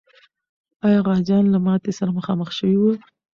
آیا غازیان له ماتي سره مخامخ سوي و؟